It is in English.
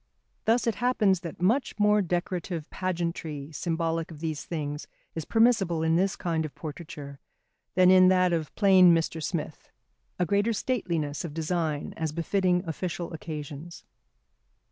Thus it happens that much more decorative pageantry symbolic of these things is permissible in this kind of portraiture than in that of plain Mr. Smith; a greater stateliness of design as befitting official occasions.